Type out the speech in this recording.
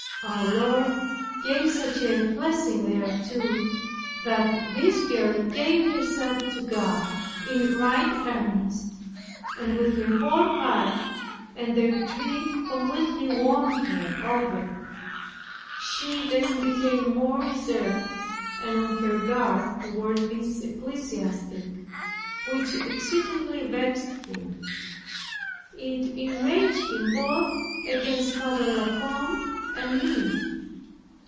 Our Lord gave such a blessing thereto, that this girl gave herself to God in right earnest, and with her whole heart and the retreat completely won her over. She then became more reserved, and on her guard, toward this ecclesiastic, which exceedingly vexed him. It enraged him both against Father La Combe and me.